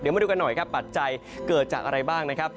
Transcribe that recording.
มาดูกันหน่อยครับปัจจัยเกิดจากอะไรบ้างนะครับ